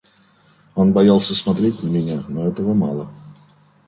Он боялся смотреть на меня, но этого мало...